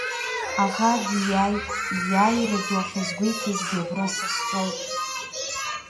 Аӷа диааит, ииааира ду ахьазгәеиҭазгьы абра са сҿоуп.